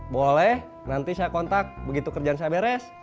boleh nanti saya kontak begitu kerjaan saya beres